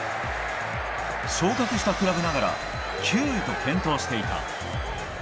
昇格したクラブながら９位と健闘していた。